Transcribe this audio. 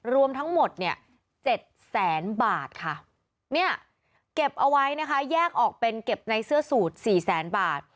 รวมทั้งหมดเนี่ยเจ็ดแสนบาทค่ะเนี่ยเก็บเอาไว้นะคะแยกออกเป็นเก็บในเสื้อสูตรสี่แสนบาท